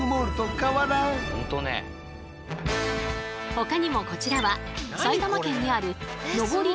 ほかにもこちらは埼玉県にある上り